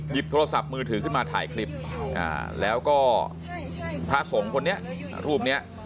โทรศัพท์มือถือขึ้นมาถ่ายคลิปแล้วก็พระสงฆ์คนนี้รูปนี้